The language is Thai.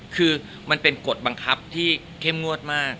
คือมันเป็นกฎบังคับที่เข้มงวดมาก